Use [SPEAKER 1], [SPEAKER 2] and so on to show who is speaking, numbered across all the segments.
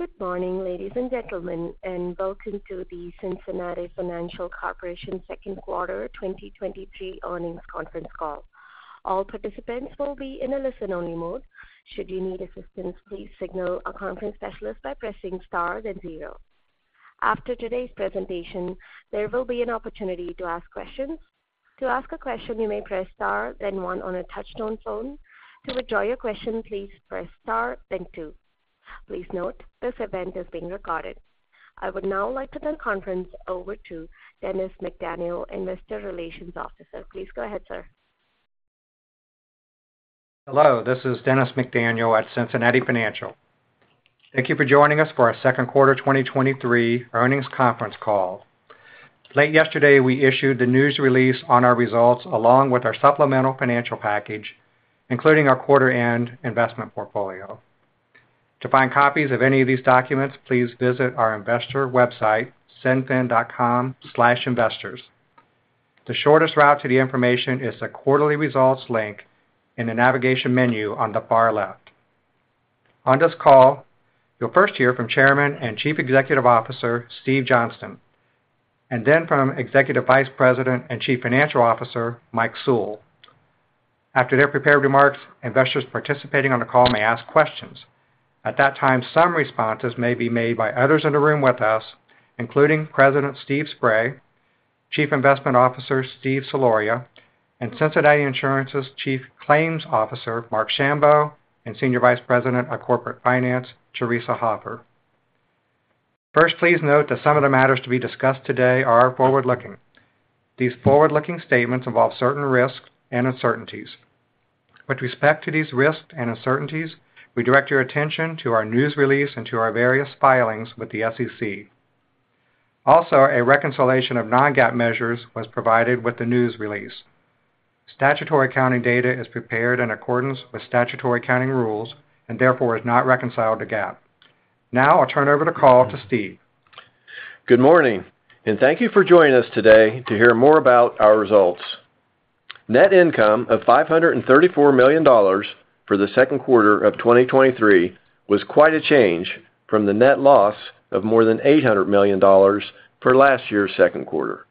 [SPEAKER 1] Good morning, ladies and gentlemen, and welcome to the Cincinnati Financial Corporation Second Quarter 2023 Earnings Conference Call. All participants will be in a listen-only mode. Should you need assistance, please signal a conference specialist by pressing star then zero. After today's presentation, there will be an opportunity to ask questions. To ask a question, you may press star, then one on a touch-tone phone. To withdraw your question, please press star, then two. Please note, this event is being recorded. I would now like to turn the conference over to Dennis McDaniel, investor relations officer. Please go ahead, sir.
[SPEAKER 2] Hello, this is Dennis McDaniel at Cincinnati Financial. Thank you for joining us for our Second Quarter 2023 Earnings Conference Call. Late yesterday, we issued the news release on our results, along with our supplemental financial package, including our quarter-end investment portfolio. To find copies of any of these documents, please visit our investor website, cinfin.com/investors. The shortest route to the information is the Quarterly Results link in the navigation menu on the far left. On this call, you'll first hear from Chairman and Chief Executive Officer, Steve Johnston, then from Executive Vice President and Chief Financial Officer, Mike Sewell. After their prepared remarks, investors participating on the call may ask questions. At that time, some responses may be made by others in the room with us, including President Steve Spray, Chief Investment Officer Steve Soloria, and Cincinnati Insurance's Chief Claims Officer, Marc Schambow, and Senior Vice President of Corporate Finance, Theresa Hoffer. First, please note that some of the matters to be discussed today are forward-looking. These forward-looking statements involve certain risks and uncertainties. With respect to these risks and uncertainties, we direct your attention to our news release and to our various filings with the SEC. Also, a reconciliation of non-GAAP measures was provided with the news release. Statutory Accounting data is prepared in accordance with statutory accounting rules and therefore is not reconciled to GAAP. Now, I'll turn over the call to Steve.
[SPEAKER 3] Good morning. Thank you for joining us today to hear more about our results. Net income of $534 million for the second quarter of 2023 was quite a change from the net loss of more than $800 million for last year's second quarter.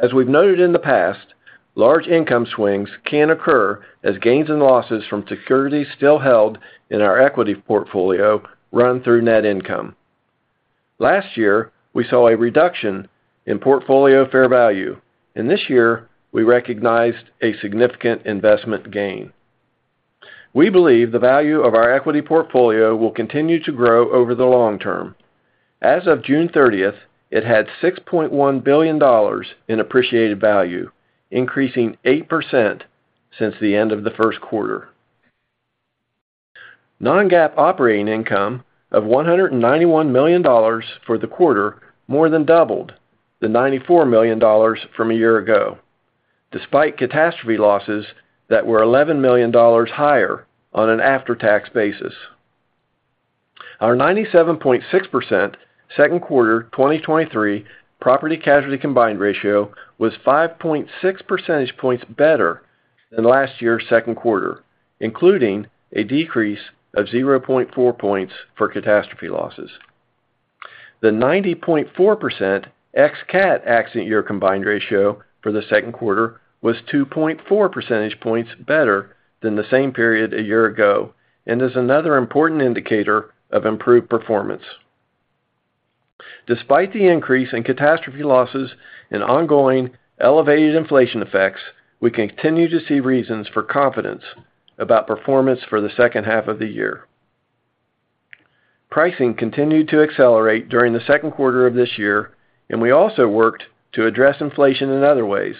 [SPEAKER 3] As we've noted in the past, large income swings can occur as gains and losses from securities still held in our equity portfolio run through net income. Last year, we saw a reduction in portfolio fair value, and this year, we recognized a significant investment gain. We believe the value of our equity portfolio will continue to grow over the long term. As of June 30th, it had $6.1 billion in appreciated value, increasing 8% since the end of the first quarter. Non-GAAP operating income of $191 million for the quarter more than doubled the $94 million from a year ago, despite catastrophe losses that were $11 million higher on an after-tax basis. Our 97.6% second quarter 2023 Property-Casualty combined ratio was 5.6 percentage points better than last year's second quarter, including a decrease of 0.4 points for catastrophe losses. The 90.4% ex-cat accident year combined ratio for the second quarter was 2.4 percentage points better than the same period a year ago and is another important indicator of improved performance. Despite the increase in catastrophe losses and ongoing elevated inflation effects, we continue to see reasons for confidence about performance for the second half of the year. Pricing continued to accelerate during the second quarter of this year. We also worked to address inflation in other ways,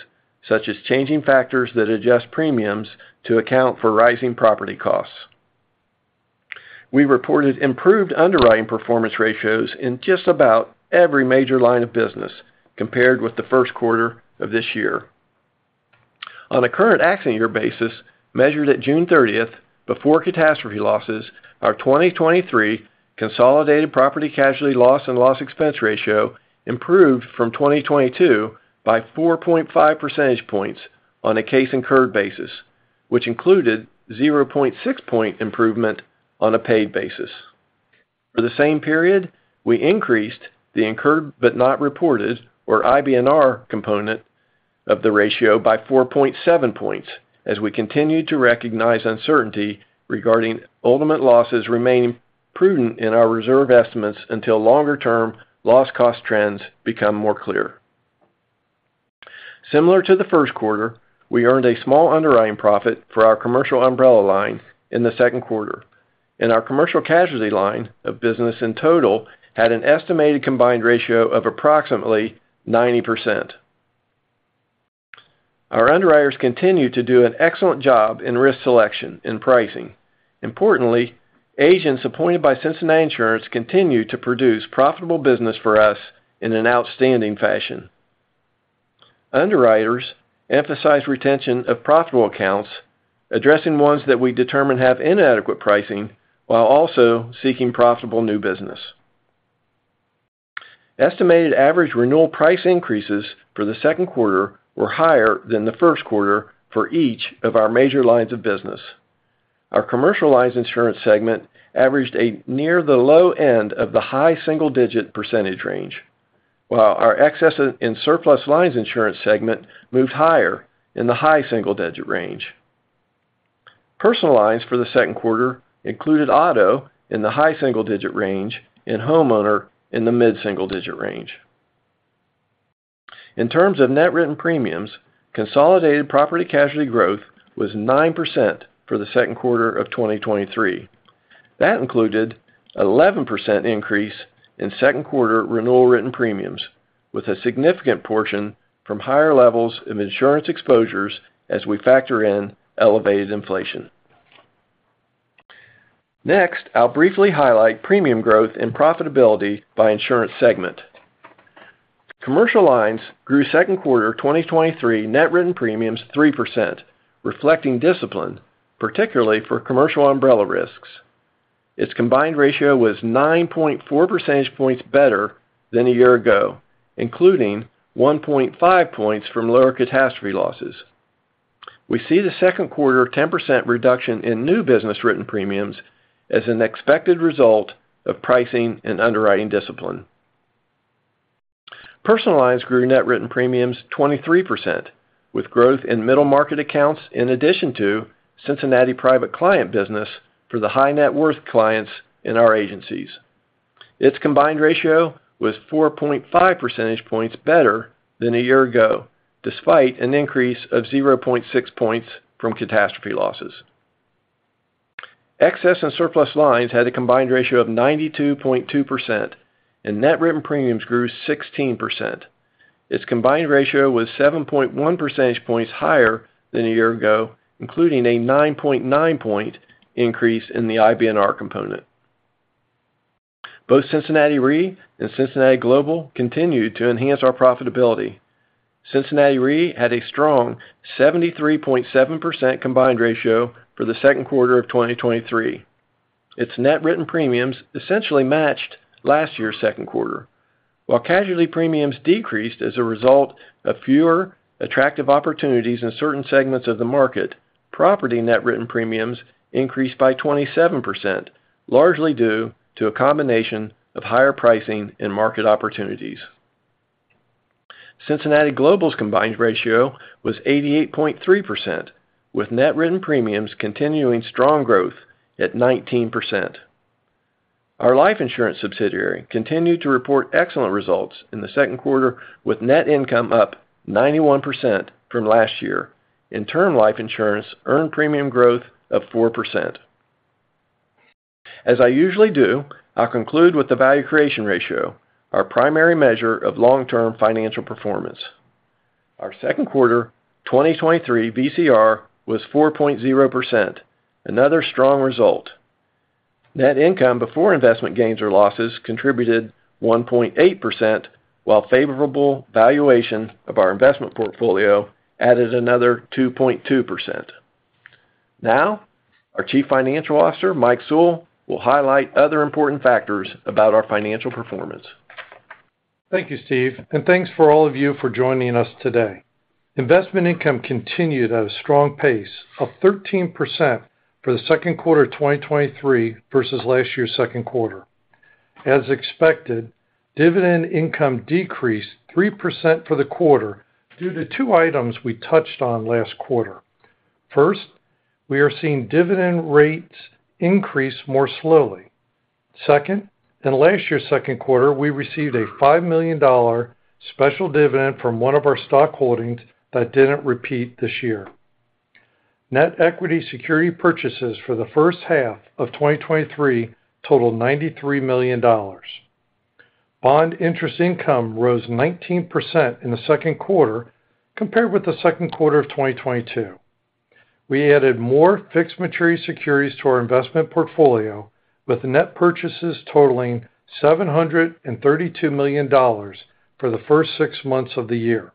[SPEAKER 3] such as changing factors that adjust premiums to account for rising property costs. We reported improved underwriting performance ratios in just about every major line of business compared with the first quarter of this year. On a current accident year basis, measured at June 30th, before catastrophe losses, our 2023 consolidated Property-Casualty loss and loss expense ratio improved from 2022 by 4.5 percentage points on a case-incurred basis, which included 0.6 point improvement on a paid basis. For the same period, we increased the incurred but not reported, or IBNR component of the ratio by 4.7 points, as we continued to recognize uncertainty regarding ultimate losses remaining prudent in our reserve estimates until longer-term loss cost trends become more clear. Similar to the first quarter, we earned a small underwriting profit for our commercial umbrella line in the second quarter, and our commercial casualty line of business in total had an estimated combined ratio of approximately 90%. Our underwriters continue to do an excellent job in risk selection and pricing. Importantly, agents appointed by Cincinnati Insurance continue to produce profitable business for us in an outstanding fashion. Underwriters emphasize retention of profitable accounts, addressing ones that we determine have inadequate pricing, while also seeking profitable new business. estimated average renewal price increases for the second quarter were higher than the first quarter for each of our major lines of business. Our commercial lines insurance segment averaged a near the low end of the high single-digit % range, while our Excess and Surplus Lines insurance segment moved higher in the high single-digit range. Personal lines for the second quarter included auto in the high single-digit range and homeowner in the mid-single-digit range. In terms of net written premiums, consolidated Property and Casualty growth was 9% for the second quarter of 2023. That included 11% increase in second quarter renewal written premiums, with a significant portion from higher levels of insurance exposures as we factor in elevated inflation. Next, I'll briefly highlight premium growth and profitability by insurance segment. Commercial lines grew second quarter 2023 net written premiums 3%, reflecting discipline, particularly for commercial umbrella risks. Its combined ratio was 9.4 percentage points better than a year ago, including 1.5 points from lower catastrophe losses. We see the second quarter 10% reduction in new business written premiums as an expected result of pricing and underwriting discipline. Personal lines grew net written premiums 23%, with growth in middle market accounts in addition to Cincinnati Private Client business for the high net worth clients in our agencies. Its combined ratio was 4.5 percentage points better than a year ago, despite an increase of 0.6 points from catastrophe losses. Excess and Surplus Lines had a combined ratio of 92.2%, and net written premiums grew 16%. Its combined ratio was 7.1 percentage points higher than a year ago, including a 9.9 point increase in the IBNR component. Both Cincinnati Re and Cincinnati Global continued to enhance our profitability. Cincinnati Re had a strong 73.7% combined ratio for the second quarter of 2023. Its net written premiums essentially matched last year's second quarter. While casualty premiums decreased as a result of fewer attractive opportunities in certain segments of the market, property net written premiums increased by 27%, largely due to a combination of higher pricing and market opportunities. Cincinnati Global's combined ratio was 88.3%, with net written premiums continuing strong growth at 19%. Our life insurance subsidiary continued to report excellent results in the second quarter, with net income up 91% from last year, and term life insurance earned premium growth of 4%. As I usually do, I'll conclude with the value creation ratio, our primary measure of long-term financial performance. Our second quarter 2023 VCR was 4.0%, another strong result. Net income before investment gains or losses contributed 1.8%, while favorable valuation of our investment portfolio added another 2.2%. Now, our Chief Financial Officer, Mike Sewell, will highlight other important factors about our financial performance.
[SPEAKER 4] Thank you, Steve, and thanks for all of you for joining us today. Investment income continued at a strong pace of 13% for the second quarter of 2023 versus last year's second quarter. As expected, dividend income decreased 3% for the quarter due to two items we touched on last quarter. First, we are seeing dividend rates increase more slowly. Second, in last year's second quarter, we received a $5 million special dividend from one of our stock holdings that didn't repeat this year. Net equity security purchases for the first half of 2023 totaled $93 million. Bond interest income rose 19% in the second quarter compared with the second quarter of 2022. We added more fixed maturity securities to our investment portfolio, with net purchases totaling $732 million for the first six months of the year.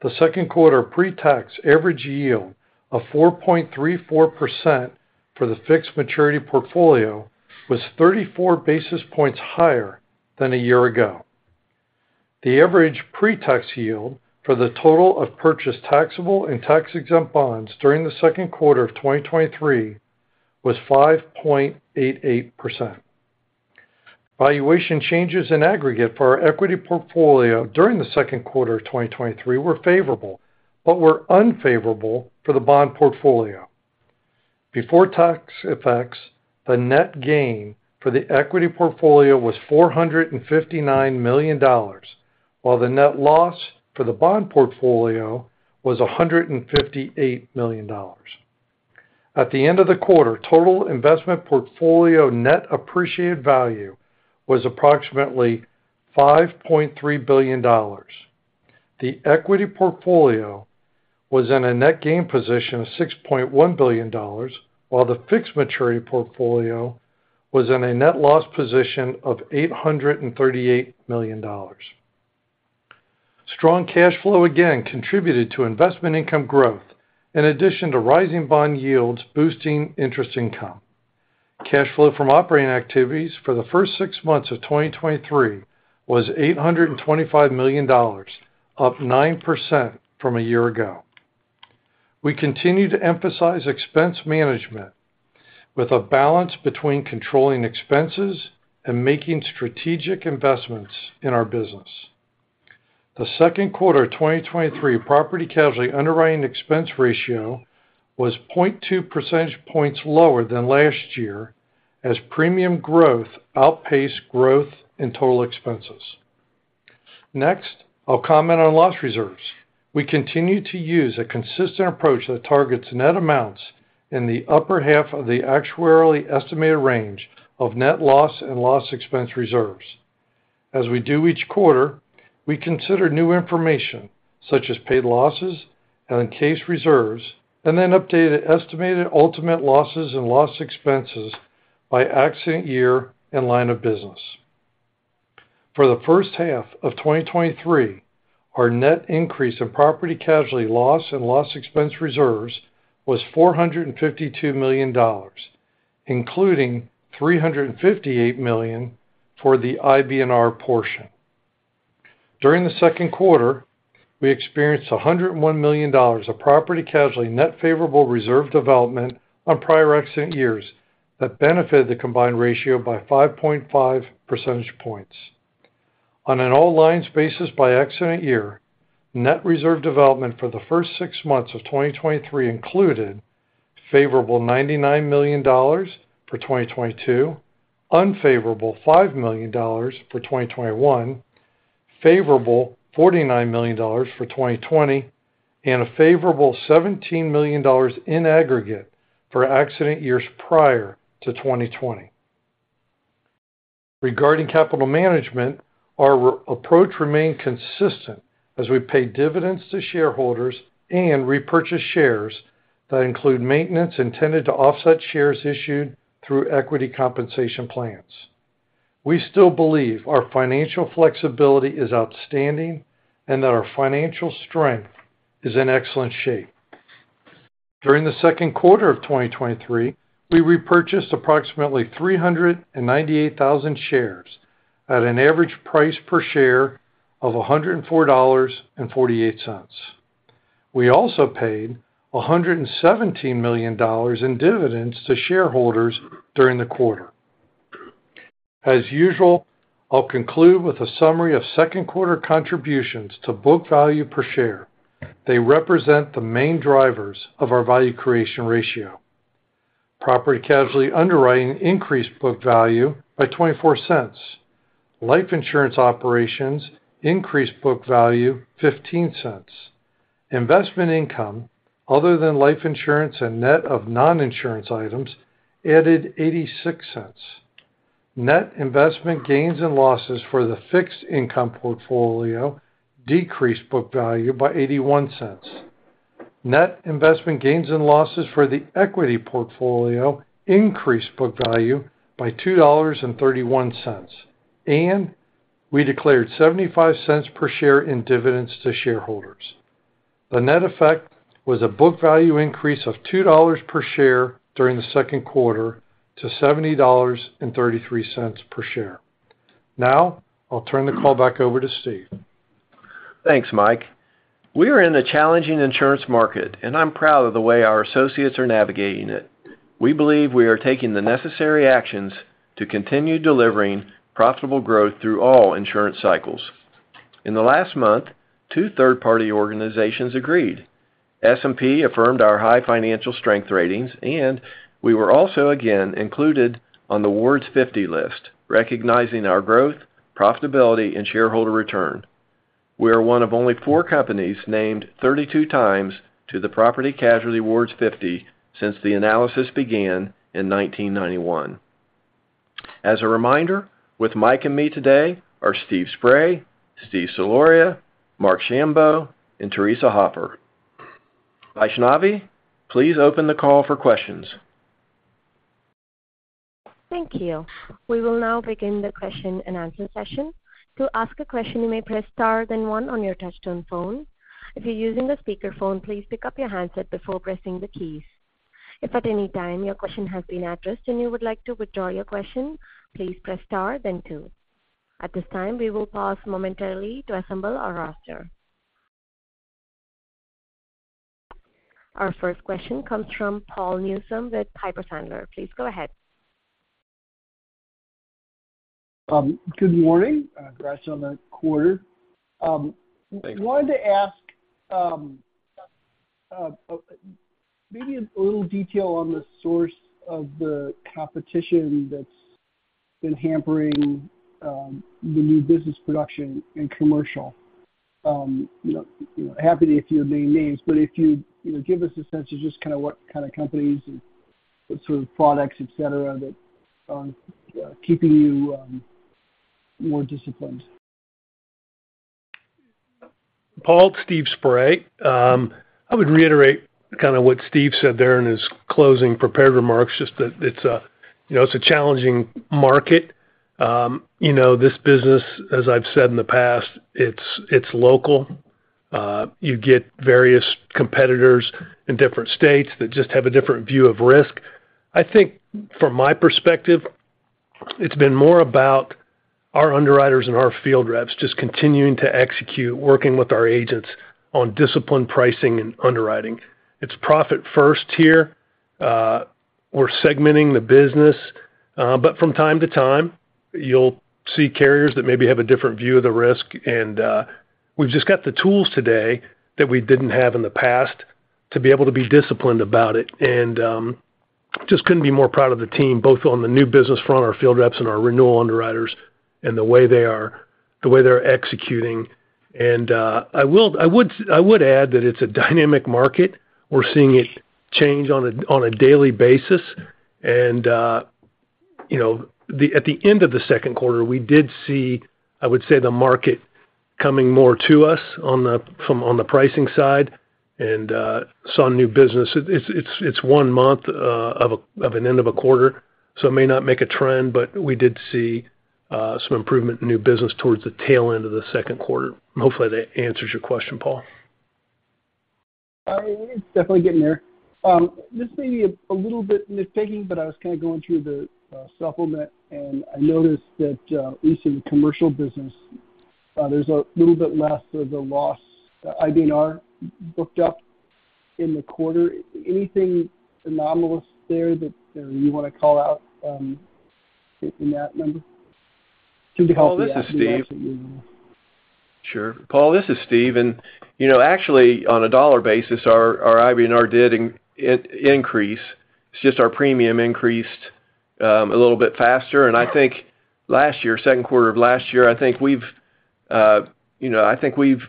[SPEAKER 4] The second quarter pre-tax average yield of 4.34% for the fixed maturity portfolio was 34 basis points higher than a year ago. The average pre-tax yield for the total of purchased taxable and tax-exempt bonds during the second quarter of 2023 was 5.88%. Valuation changes in aggregate for our equity portfolio during the second quarter of 2023 were favorable, but were unfavorable for the bond portfolio. Before tax effects, the net gain for the equity portfolio was $459 million, while the net loss for the bond portfolio was $158 million. At the end of the quarter, total investment portfolio net appreciated value was approximately $5.3 billion. The equity portfolio was in a net gain position of $6.1 billion, while the fixed maturity portfolio was in a net loss position of $838 million. Strong cash flow again contributed to investment income growth, in addition to rising bond yields, boosting interest income. Cash flow from operating activities for the first six months of 2023 was $825 million, up 9% from a year ago. We continue to emphasize expense management with a balance between controlling expenses and making strategic investments in our business. The second quarter of 2023, Property-Casualty underwriting expense ratio was 0.2 percentage points lower than last year, as premium growth outpaced growth in total expenses. Next, I'll comment on loss reserves. We continue to use a consistent approach that targets net amounts in the upper half of the actuarially estimated range of net loss and loss expense reserves. As we do each quarter, we consider new information such as paid losses and case reserves, and then update the estimated ultimate losses and loss expenses by accident year and line of business. For the first half of 2023, our net increase in property casualty loss and loss expense reserves was $452 million, including $358 million for the IBNR portion. During the second quarter, we experienced $101 million of property casualty net favorable reserve development on prior accident years, that benefited the combined ratio by 5.5 percentage points. On an all lines basis by accident year, net reserve development for the first six months of 2023 included favorable $99 million for 2022, unfavorable $5 million for 2021, favorable $49 million for 2020, and a favorable $17 million in aggregate for accident years prior to 2020. Regarding capital management, our re- approach remained consistent as we paid dividends to shareholders and repurchased shares that include maintenance intended to offset shares issued through equity compensation plans. We still believe our financial flexibility is outstanding and that our financial strength is in excellent shape. During the second quarter of 2023, we repurchased approximately 398,000 shares at an average price per share of $104.48. We also paid $117 million in dividends to shareholders during the quarter. As usual, I'll conclude with a summary of second quarter contributions to book value per share. They represent the main drivers of our value creation ratio. Property casualty underwriting increased book value by $0.24. Life insurance operations increased book value $0.15. Investment income, other than life insurance and net of non-insurance items, added $0.86. Net investment gains and losses for the fixed income portfolio decreased book value by $0.81. Net investment gains and losses for the equity portfolio increased book value by $2.31, and we declared $0.75 per share in dividends to shareholders. The net effect was a book value increase of $2 per share during the second quarter to $70.33 per share. I'll turn the call back over to Steve.
[SPEAKER 3] Thanks, Mike. We are in a challenging insurance market, and I'm proud of the way our associates are navigating it. We believe we are taking the necessary actions to continue delivering profitable growth through all insurance cycles. In the last month, two third-party organizations agreed. S&P affirmed our high financial strength ratings, and we were also again included on the Ward's 50 list, recognizing our growth, profitability, and shareholder return. We are one of only four companies named 32 times to the Property-Casualty Ward's 50 since the analysis began in 1991. As a reminder, with Mike and me today are Steve Spray, Steve Soloria, Marc Schambow, and Theresa Hoffer. Vaishnavi, please open the call for questions.
[SPEAKER 1] Thank you. We will now begin the question and answer session. To ask a question, you may press star, then one on your touch-tone phone. If you're using a speakerphone, please pick up your handset before pressing the keys. If at any time your question has been addressed and you would like to withdraw your question, please press star then two. At this time, we will pause momentarily to assemble our roster. Our first question comes from Paul Newsome with Piper Sandler. Please go ahead.
[SPEAKER 5] Good morning, congrats on the quarter. I wanted to ask, maybe a little detail on the source of the competition that's been hampering the new business production and commercial. You know, happy if you name names, but if you, you know, give us a sense of just kind of what kind of companies and what sort of products, et cetera, that are keeping you more disciplined.
[SPEAKER 6] Paul, Steve Spray. I would reiterate kind of what Steve said there in his closing prepared remarks, just that it's. You know, it's a challenging market. You know, this business, as I've said in the past, it's, it's local. You get various competitors in different states that just have a different view of risk. I think from my perspective, it's been more about our underwriters and our field reps just continuing to execute, working with our agents on disciplined pricing and underwriting. It's profit first here. We're segmenting the business, but from time to time, you'll see carriers that maybe have a different view of the risk, we've just got the tools today that we didn't have in the past to be able to be disciplined about it. Just couldn't be more proud of the team, both on the new business front, our field reps and our renewal underwriters, and the way they're executing. I would add that it's a dynamic market. We're seeing it change on a daily basis. You know, at the end of the second quarter, we did see, I would say, the market coming more to us on the pricing side and some new business. It's one month of an end of a quarter, so it may not make a trend, but we did see some improvement in new business towards the tail end of the second quarter. Hopefully, that answers your question, Paul.
[SPEAKER 5] It's definitely getting there. This may be a little bit nitpicky, but I was kind of going through the supplement, and I noticed that at least in the commercial business, there's a little bit less of the loss IBNR booked up in the quarter. Anything anomalous there that you want to call out in that number?
[SPEAKER 3] Paul, this is Steve. Sure. Paul, this is Steve, and, you know, actually, on a dollar basis, our, our IBNR did increase. It's just our premium increased a little bit faster. I think last year, second quarter of last year, I think we've, you know, I think we've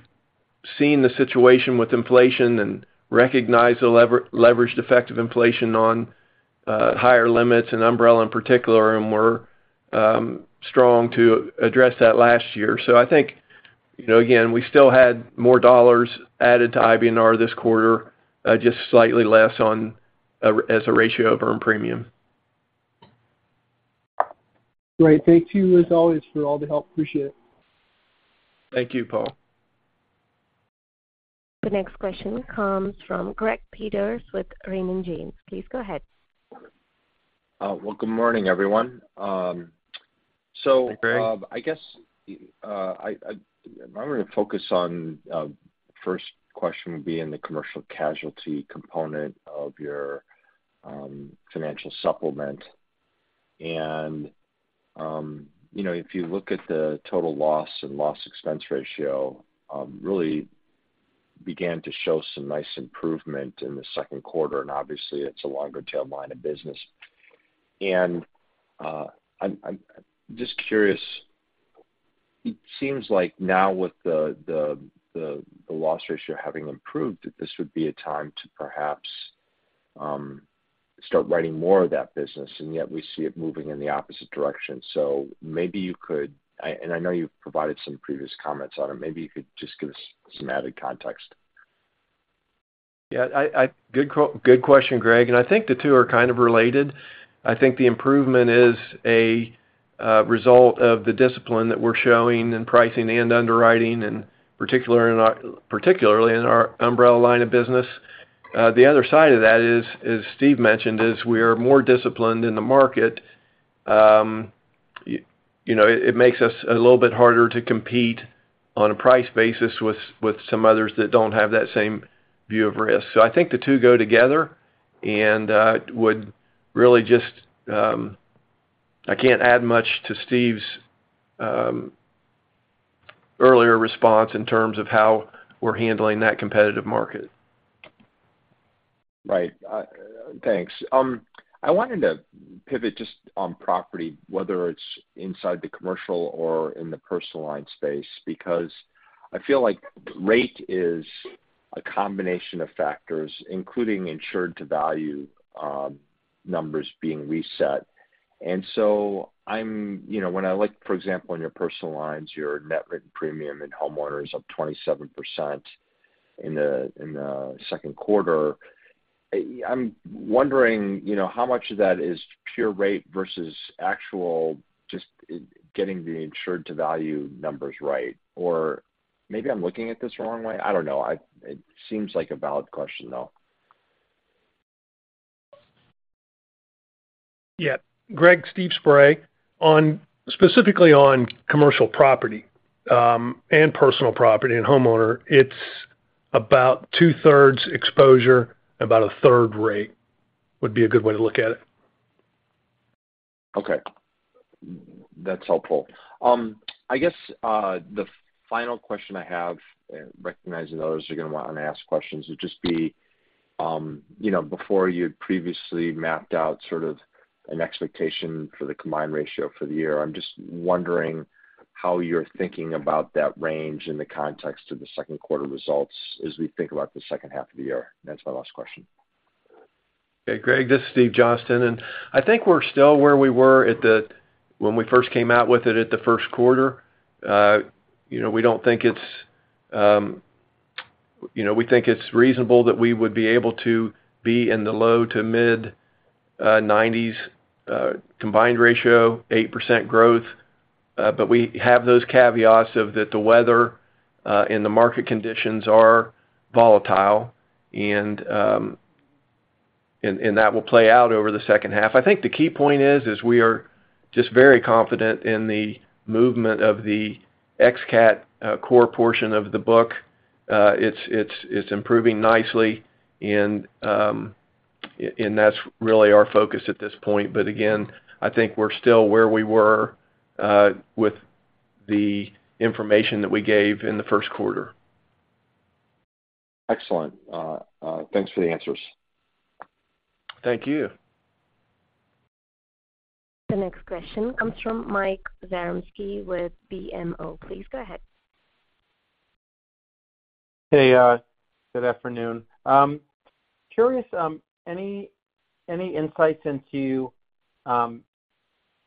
[SPEAKER 3] seen the situation with inflation and recognized the leveraged effect of inflation on higher limits and umbrella in particular, and we're strong to address that last year. I think, you know, again, we still had more dollars added to IBNR this quarter, just slightly less on a, as a ratio of earned premium.
[SPEAKER 5] Great. Thank you, as always, for all the help. Appreciate it.
[SPEAKER 3] Thank you, Paul.
[SPEAKER 1] The next question comes from Greg Peters with Raymond James. Please go ahead.
[SPEAKER 7] Well, good morning, everyone.
[SPEAKER 6] Hey, Greg.
[SPEAKER 7] I guess, I'm gonna focus on, first question would be in the commercial casualty component of your financial supplement. You know, if you look at the total loss and loss expense ratio, really began to show some nice improvement in the second quarter, and obviously, it's a longer tail line of business. I'm, I'm just curious, it seems like now with the, the, the, the loss ratio having improved, that this would be a time to perhaps, start writing more of that business, and yet we see it moving in the opposite direction. Maybe you could, I-- and I know you've provided some previous comments on it, maybe you could just give us some added context.
[SPEAKER 3] Yeah, good question, Greg. I think the two are kind of related. I think the improvement is a result of the discipline that we're showing in pricing and underwriting, and particularly in our, particularly in our umbrella line of business. The other side of that is, as Steve mentioned, is we are more disciplined in the market. You know, it, it makes us a little bit harder to compete on a price basis with, with some others that don't have that same view of risk. I think the two go together, and would really just, I can't add much to Steve's earlier response in terms of how we're handling that competitive market.
[SPEAKER 7] Right. Thanks. I wanted to pivot just on property, whether it's inside the commercial or in the personal line space, because I feel like rate is a combination of factors, including insured to value, numbers being reset. So I'm, you know, when I look, for example, in your personal lines, your net written premium and homeowner is up 27% in the second quarter. I'm wondering, you know, how much of that is pure rate versus actual just getting the insured to value numbers right? Maybe I'm looking at this the wrong way. I don't know. It seems like a valid question, though.
[SPEAKER 6] Yeah. Greg, Steve Spray. Specifically on commercial property, and personal property and homeowner, it's about 2/3 exposure, about 1/3 rate, would be a good way to look at it.
[SPEAKER 7] Okay. That's helpful. I guess the final question I have, recognizing others are gonna want to ask questions, would just be, before you'd previously mapped out sort of an expectation for the combined ratio for the year, I'm just wondering how you're thinking about that range in the context of the second quarter results as we think about the second half of the year. That's my last question.
[SPEAKER 3] Hey, Greg, this is Steve Johnston. I think we're still where we were when we first came out with it at the first quarter. You know, we don't think it's, you know, we think it's reasonable that we would be able to be in the low to mid 90s combined ratio, 8% growth. We have those caveats of that the weather and the market conditions are volatile, and that will play out over the second half. I think the key point is, is we are just very confident in the movement of the ex-cat core portion of the book. It's, it's, it's improving nicely, and that's really our focus at this point. Again, I think we're still where we were with the information that we gave in the first quarter.
[SPEAKER 7] Excellent. Thanks for the answers.
[SPEAKER 3] Thank you.
[SPEAKER 1] The next question comes from Mike Zaremski with BMO. Please go ahead.
[SPEAKER 8] Hey, good afternoon. Curious, any, any insights into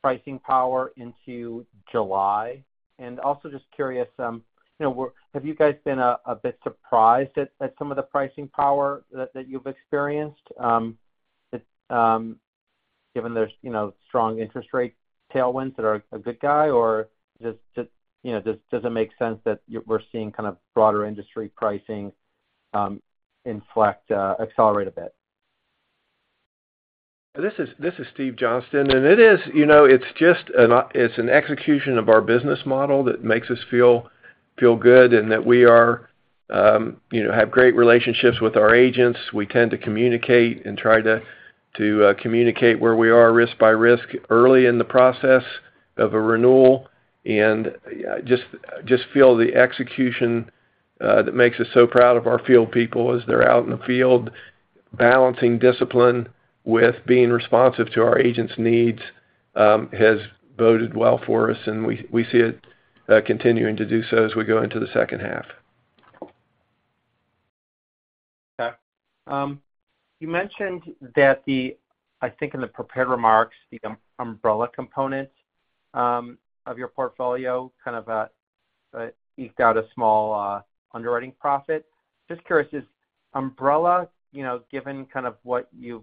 [SPEAKER 8] pricing power into July? Also just curious, you know, have you guys been a bit surprised at some of the pricing power that you've experienced? Given there's, you know, strong interest rate tailwinds that are a good guy, or just, just, you know, does, does it make sense that we're seeing kind of broader industry pricing inflect, accelerate a bit?
[SPEAKER 3] This is, this is Steve Johnston, and it is, you know, it's just an execution of our business model that makes us feel, feel good, and that we are, you know, have great relationships with our agents. We tend to communicate and try to, to communicate where we are risk by risk early in the process of a renewal, and, just, just feel the execution that makes us so proud of our field people as they're out in the field, balancing discipline with being responsive to our agents' needs, has boded well for us, and we, we see it continuing to do so as we go into the second half.
[SPEAKER 8] Okay. You mentioned that the... I think in the prepared remarks, the umbrella components of your portfolio kind of eked out a small underwriting profit. Just curious, is umbrella, you know, given kind of what you've, you've,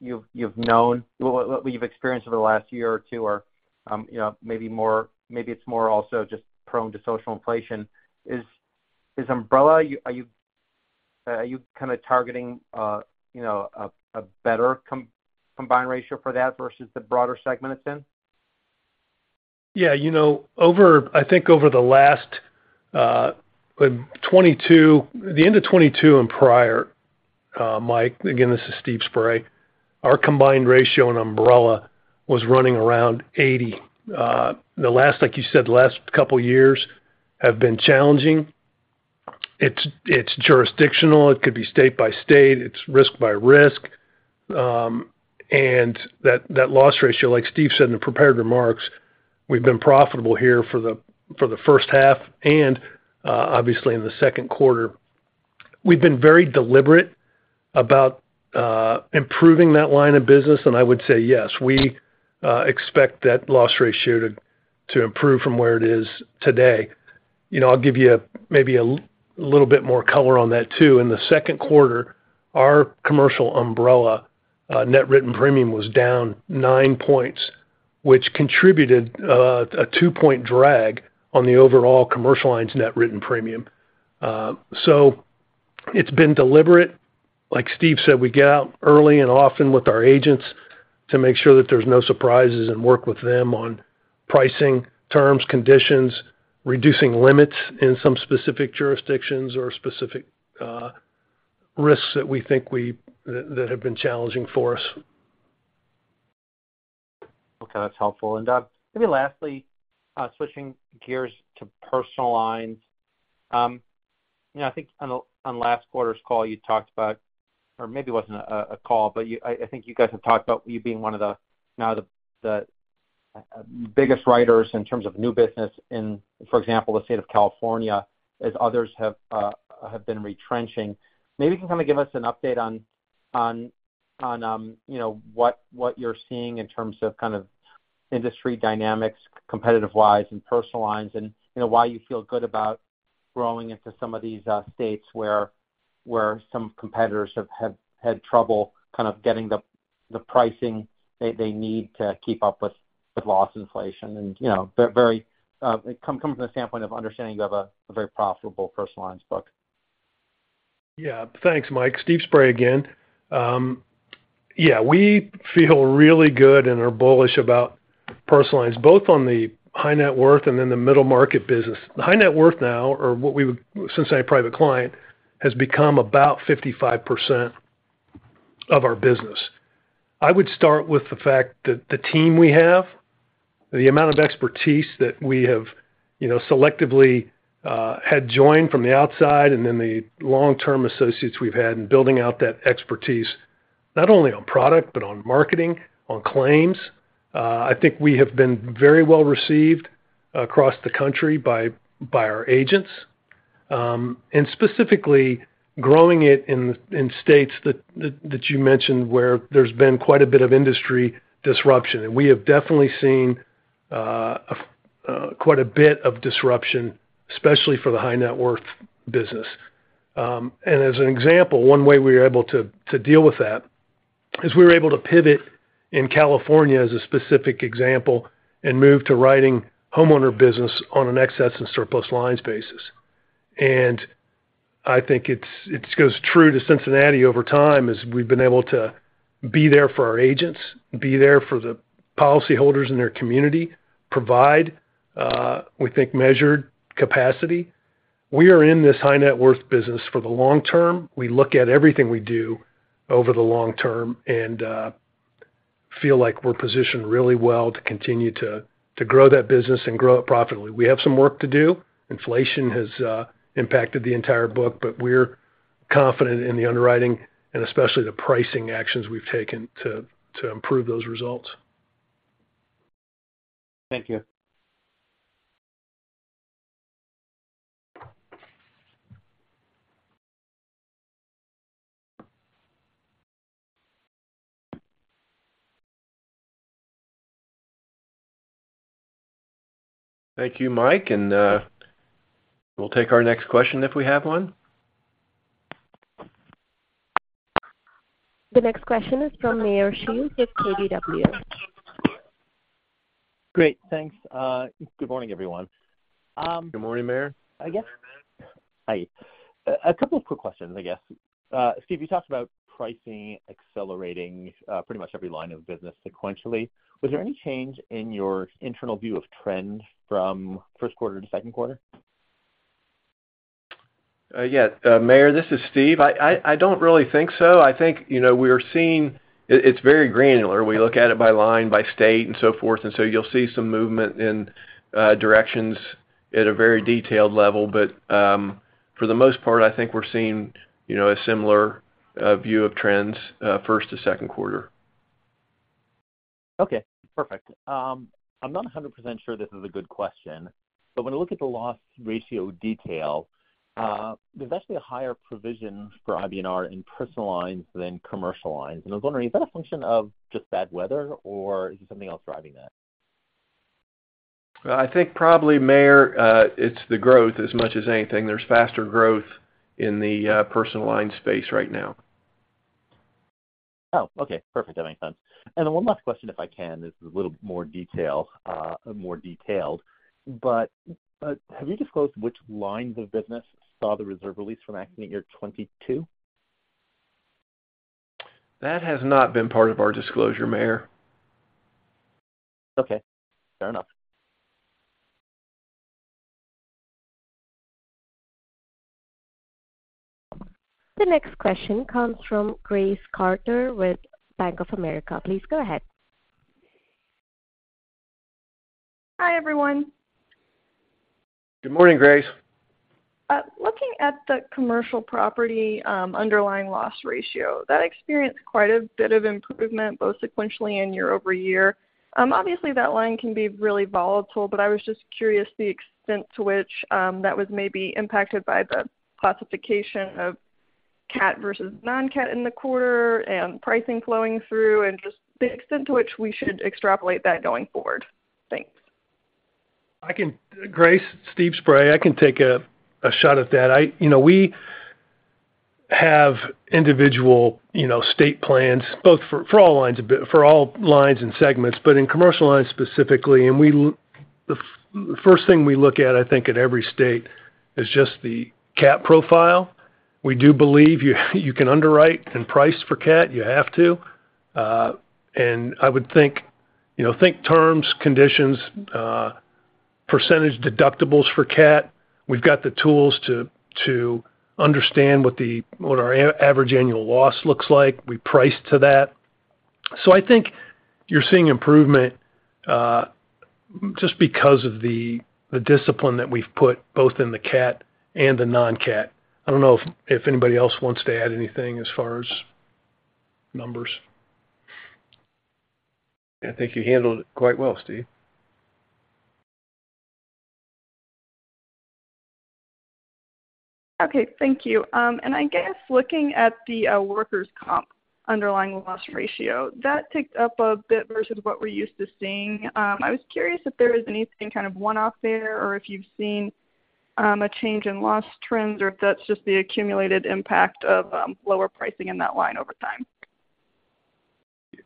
[SPEAKER 8] you've known, what you've experienced over the last year or two, or, you know, maybe more, maybe it's more also just prone to social inflation, is umbrella, are you kind of targeting, you know, a better combined ratio for that versus the broader segment it's in?
[SPEAKER 6] Yeah, you know, over, I think over the last, the end of 2022 and prior, Mike, again, this is Steve Spray. Our combined ratio in umbrella was running around 80. The last, like you said, the last couple of years have been challenging. It's, it's jurisdictional. It could be state by state, it's risk by risk. That, that loss ratio, like Steve said in the prepared remarks, we've been profitable here for the, for the first half and, obviously in the second quarter. We've been very deliberate about improving that line of business, and I would say yes, we expect that loss ratio to improve from where it is today. You know, I'll give you maybe a little bit more color on that too. In the second quarter, our commercial umbrella, net written premium was down nine points, which contributed, a two-point drag on the overall commercial lines net written premium. It's been deliberate. Like Steve said, we get out early and often with our agents to make sure that there's no surprises, and work with them on pricing, terms, conditions, reducing limits in some specific jurisdictions or specific, risks that we think have been challenging for us.
[SPEAKER 8] Okay, that's helpful. Maybe lastly, switching gears to personal lines. You know, I think on the, on last quarter's call, you talked about, or maybe it wasn't a call, but I think you guys have talked about you being one of the, now the biggest writers in terms of new business in, for example, the state of California, as others have been retrenching. Maybe you can kind of give us an update on, on, on, you know, what you're seeing in terms of kind of industry dynamics, competitive-wise, and personal lines, and, you know, why you feel good about growing into some of these states where some competitors have had trouble kind of getting the pricing they need to keep up with loss inflation. You know, very, it come from the standpoint of understanding you have a very profitable personal lines book.
[SPEAKER 6] Yeah. Thanks, Mike. Steve Spray again. Yeah, we feel really good and are bullish about personal lines, both on the high net worth and in the middle market business. The high net worth now, or what we would since say, Cincinnati Private Client, has become about 55% of our business. I would start with the fact that the team we have, the amount of expertise that we have, you know, selectively, had joined from the outside, and then the long-term associates we've had in building out that expertise, not only on product, but on marketing, on claims. I think we have been very well received across the country by, by our agents, and specifically growing it in, in states that, that, that you mentioned, where there's been quite a bit of industry disruption. We have definitely seen quite a bit of disruption, especially for the high net worth business. As an example, one way we were able to deal with that is we were able to pivot in California as a specific example and move to writing homeowner business on an Excess and Surplus Lines basis. I think it's, it goes true to Cincinnati over time, as we've been able to be there for our agents, be there for the policyholders in their community, provide, we think, measured capacity. We are in this high net worth business for the long term. We look at everything we do over the long term and feel like we're positioned really well to continue to grow that business and grow it profitably. We have some work to do. Inflation has impacted the entire book, but we're confident in the underwriting and especially the pricing actions we've taken to, to improve those results.
[SPEAKER 8] Thank you.
[SPEAKER 3] Thank you, Mike. We'll take our next question if we have one.
[SPEAKER 1] The next question is from Meyer Shields with KBW.
[SPEAKER 9] Great, thanks. Good morning, everyone.
[SPEAKER 3] Good morning, Meyer.
[SPEAKER 9] I guess. Hi. A couple of quick questions, I guess. Steve, you talked about pricing accelerating, pretty much every line of business sequentially. Was there any change in your internal view of trends from first quarter to second quarter?
[SPEAKER 3] Yeah, Meyer, this is Steve. I don't really think so. I think, you know, it, it's very granular. We look at it by line, by state, and so forth, and so you'll see some movement in directions at a very detailed level. For the most part, I think we're seeing, you know, a similar view of trends, first to second quarter.
[SPEAKER 9] Okay, perfect. I'm not 100% sure this is a good question, but when I look at the loss ratio detail, there's actually a higher provision for IBNR in personal lines than commercial lines. I was wondering, is that a function of just bad weather, or is something else driving that?
[SPEAKER 3] I think probably, Meyer, it's the growth as much as anything. There's faster growth in the personal line space right now.
[SPEAKER 9] Oh, okay. Perfect. That makes sense. Then one last question, if I can, this is a little more detail, more detailed. Have you disclosed which lines of business saw the reserve release from accident year 2022?
[SPEAKER 3] That has not been part of our disclosure, Meyer.
[SPEAKER 9] Okay, fair enough.
[SPEAKER 1] The next question comes from Grace Carter with Bank of America. Please go ahead.
[SPEAKER 10] Hi, everyone.
[SPEAKER 6] Good morning, Grace.
[SPEAKER 10] Looking at the commercial property, underlying loss ratio, that experienced quite a bit of improvement, both sequentially and year-over-year. Obviously, that line can be really volatile, but I was just curious the extent to which, that was maybe impacted by the classification of cat versus non-cat in the quarter and pricing flowing through, and just the extent to which we should extrapolate that going forward. Thanks.
[SPEAKER 6] I can Grace, Steve Spray. I can take a shot at that. You know, we have individual, you know, state plans, both for all lines and segments, but in commercial lines specifically, and we the first thing we look at, I think, in every state is just the cat profile. We do believe you, you can underwrite and price for cat. You have to. And I would think, you know, think terms, conditions, percentage deductibles for cat. We've got the tools to understand what our average annual loss looks like. We price to that. I think you're seeing improvement just because of the discipline that we've put both in the cat and the non-cat. I don't know if anybody else wants to add anything as far as numbers.
[SPEAKER 3] I think you handled it quite well, Steve.
[SPEAKER 10] Okay, thank you. I guess looking at the workers' comp underlying loss ratio, that ticked up a bit versus what we're used to seeing. I was curious if there was anything kind of one-off there, or if you've seen a change in loss trends, or if that's just the accumulated impact of lower pricing in that line over time.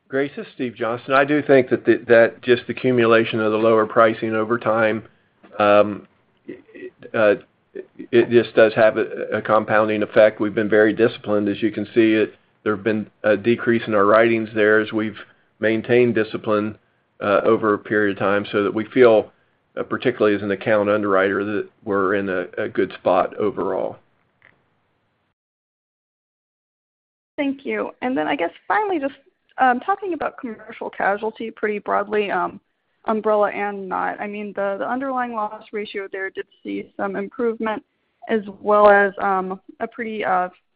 [SPEAKER 3] Grace, it's Steve Johnston. I do think that just accumulation of the lower pricing over time, it just does have a compounding effect. We've been very disciplined, as you can see, there have been a decrease in our writings there as we've maintained discipline over a period of time, so that we feel, particularly as an account underwriter, that we're in a good spot overall.
[SPEAKER 10] Thank you. Then I guess finally, just, talking about commercial casualty pretty broadly, umbrella and not, I mean, the, the underlying loss ratio there did see some improvement as well as, a pretty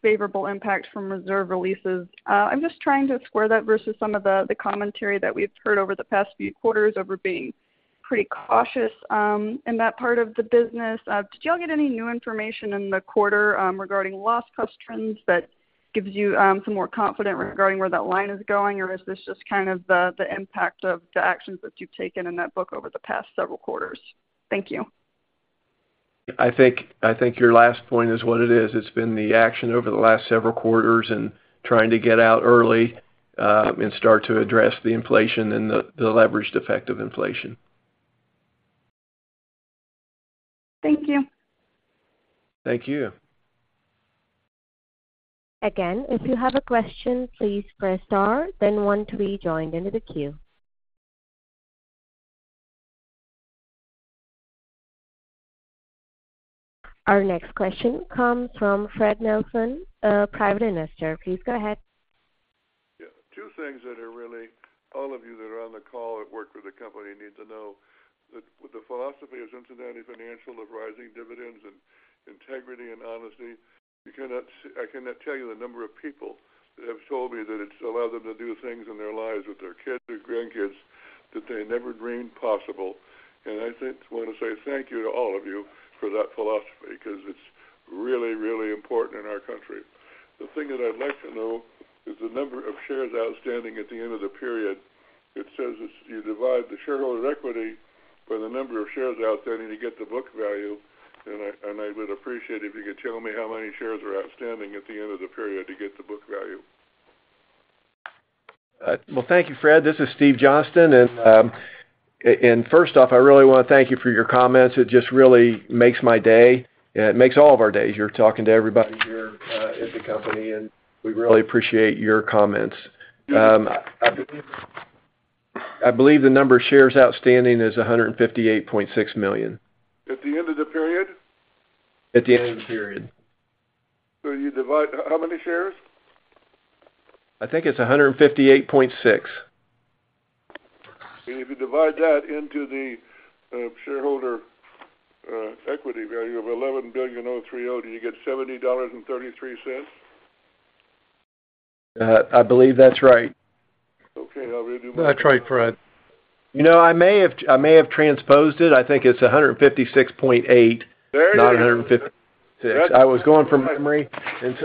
[SPEAKER 10] favorable impact from reserve releases. I'm just trying to square that versus some of the, the commentary that we've heard over the past few quarters over being pretty cautious, in that part of the business. Did you all get any new information in the quarter, regarding loss cost trends that gives you some more confidence regarding where that line is going? Is this just kind of the, the impact of the actions that you've taken in that book over the past several quarters? Thank you.
[SPEAKER 3] I think, I think your last point is what it is. It's been the action over the last several quarters and trying to get out early, and start to address the inflation and the leveraged effect of inflation.
[SPEAKER 10] Thank you.
[SPEAKER 3] Thank you.
[SPEAKER 1] Again, if you have a question, please press star then one to be joined into the queue. Our next question comes from Fred Nelson, a private investor. Please go ahead.
[SPEAKER 11] Yeah. Two things that are really all of you that are on the call or work for the company need to know that with the philosophy of Cincinnati Financial, of rising dividends and integrity and honesty, you cannot I cannot tell you the number of people that have told me that it's allowed them to do things in their lives with their kids or grandkids that they never dreamed possible. I just want to say thank you to all of you for that philosophy, 'cause it's really, really important in our country. The thing that I'd like to know is the number of shares outstanding at the end of the period. It says if you divide the shareholder equity by the number of shares outstanding, you get the book value, and I would appreciate if you could tell me how many shares are outstanding at the end of the period to get the book value.
[SPEAKER 3] Well, thank you, Fred. This is Steve Johnston. First off, I really want to thank you for your comments. It just really makes my day. It makes all of our days here, talking to everybody here at the company, and we really appreciate your comments. I believe, I believe the number of shares outstanding is 158.6 million.
[SPEAKER 11] At the end of the period?
[SPEAKER 3] At the end of the period.
[SPEAKER 11] You divide how many shares?
[SPEAKER 3] I think it's 158.6.
[SPEAKER 11] If you divide that into the shareholder equity value of $11.03 billion, do you get $70.33?
[SPEAKER 3] I believe that's right.
[SPEAKER 11] Okay, I'll do my-
[SPEAKER 6] That's right, Fred.
[SPEAKER 3] You know, I may have, I may have transposed it. I think it's 156.8-
[SPEAKER 11] There it is.
[SPEAKER 3] Not 156. I was going from memory. I was going from memory, and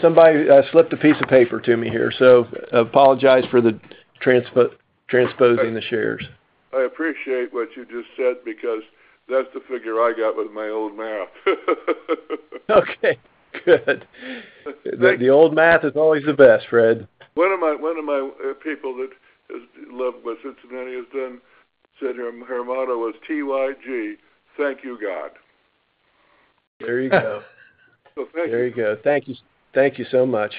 [SPEAKER 3] somebody, slipped a piece of paper to me here, so apologize for the transposing the shares.
[SPEAKER 11] I appreciate what you just said because that's the figure I got with my old math.
[SPEAKER 3] Okay, good. The old math is always the best, Fred.
[SPEAKER 11] One of my people that has lived with Cincinnati has done said her, her motto was TYG: Thank you, God.
[SPEAKER 3] There you go.
[SPEAKER 11] Thank you.
[SPEAKER 3] There you go. Thank you. Thank you so much.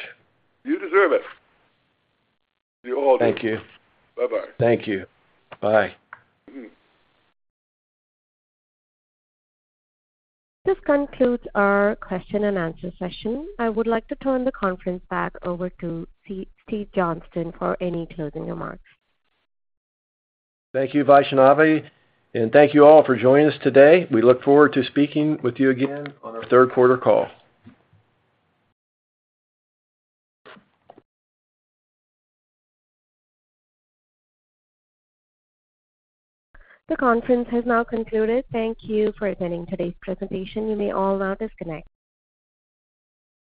[SPEAKER 11] You deserve it. You all do.
[SPEAKER 3] Thank you.
[SPEAKER 11] Bye-bye.
[SPEAKER 3] Thank you. Bye.
[SPEAKER 1] This concludes our question and answer session. I would like to turn the conference back over to Steve, Steve Johnston, for any closing remarks.
[SPEAKER 3] Thank you, Vaishnavi, and thank you all for joining us today. We look forward to speaking with you again on our third quarter call.
[SPEAKER 1] The conference has now concluded. Thank you for attending today's presentation. You may all now disconnect.